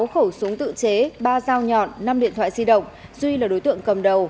sáu khẩu súng tự chế ba dao nhọn năm điện thoại di động duy là đối tượng cầm đầu